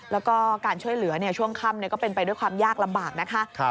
แล้วก็การช่วยเหลือช่วงค่ำก็เป็นไปด้วยความยากลำบากนะคะ